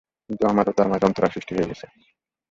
কিন্তু আমার ও তার মাঝে অন্তরায় সৃষ্টি হয়ে গেছে।